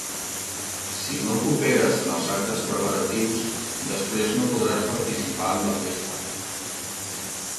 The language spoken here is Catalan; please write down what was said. Si no cooperes en els actes preparatius, després no podràs participar en la festa.